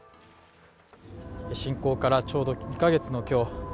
侵攻からちょうど２ヶ月の今日